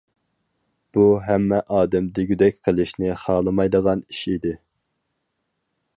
بۇ ھەممە ئادەم دېگۈدەك قىلىشنى خالىمايدىغان ئىش ئىدى.